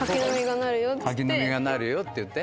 「柿の実がなるよ」っていって。